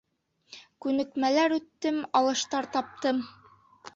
Күнекмәләр үттем, алыштар таптым.